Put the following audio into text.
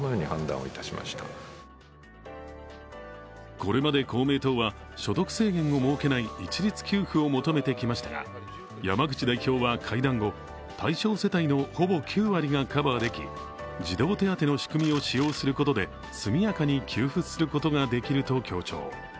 これまで、公明党は所得制限を設けない一律給付を求めてきましたが山口代表は会談後対象世帯のほぼ９割がカバーでき、児童手当の仕組みを使用することで速やかに給付することができると強調。